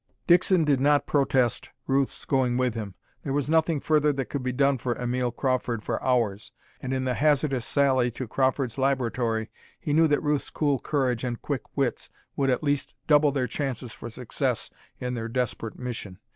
Dixon did not protest Ruth's going with him. There was nothing further that could be done for Emil Crawford for hours and in the hazardous sally to Crawford's laboratory he knew that Ruth's cool courage and quick wits would at least double their chances for success in their desperate mission.